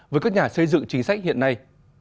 với các nhà xây dựng chính sách hiện nay